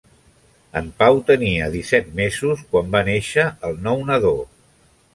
En Pau tenia disset mesos quan va néixer el nou nadó.